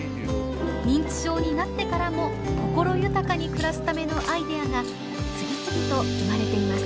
認知症になってからも心豊かに暮らすためのアイデアが次々と生まれています。